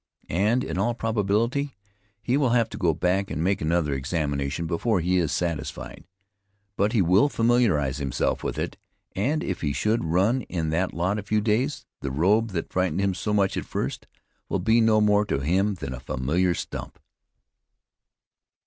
And, in all probability, he will have to go back and make another examination before he is satisfied. But he will familiarize himself with it, and, if he should run in that lot a few days, the robe that frightened him so much at first, will be no more to him than a familiar stump.